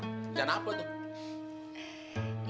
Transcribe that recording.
rencana apa tuh